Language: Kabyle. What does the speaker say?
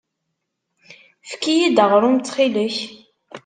Efk-iyi-d aɣrum ttxil-k.